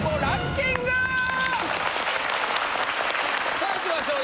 さあいきましょう。